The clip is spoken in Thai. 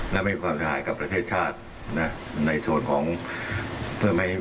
และไม่ความเสียหายกับประเทศชาตินะ